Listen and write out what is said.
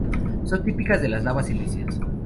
Son típicas de las lavas silíceas.